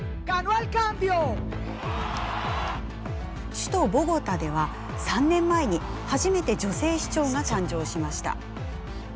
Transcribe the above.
首都ボゴタでは３年前に初めて女性市長が誕生しました。